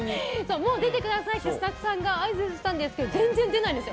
もう出てくださいってスタッフさんが合図したんですけど全然出ないんですよ。